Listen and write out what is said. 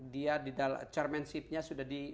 dia di dalam chairmanshipnya sudah di